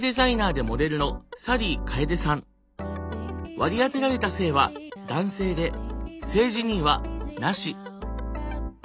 割り当てられた性は男性で性自認はなし。